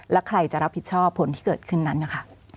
แล้วใครจะรับผิดชอบผลที่เกิดขึ้นนั้นนะคะ